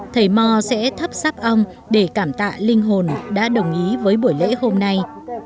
thầy mò sẽ thắp sắp ong để cảm tạ linh hồn đã đồng ý với buổi lễ hôm nay